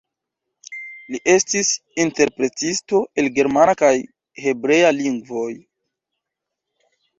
Li estis interpretisto el germana kaj hebrea lingvoj.